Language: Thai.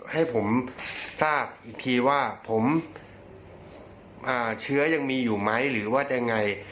ให้ผมทราบอีกทีว่าผมเชื้อยังมีอยู่ไหมหรือว่ายังไง